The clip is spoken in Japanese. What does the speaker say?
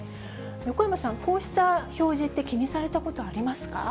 横山さん、こうした表示って気にされたことありますか？